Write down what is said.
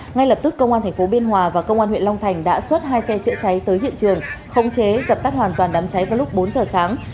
ngay lập tức công an tp biên hòa và công an huyện long thành đã xuất hai xe chữa cháy tới hiện trường không chế dập tắt hoàn toàn đám cháy vào lúc bốn giờ sáng